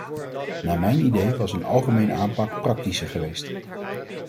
Naar mijn idee was een algemene aanpak praktischer geweest.